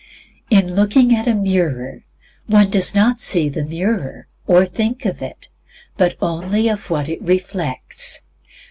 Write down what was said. In looking at a mirror one does not see the mirror, or think of it, but only of what it reflects.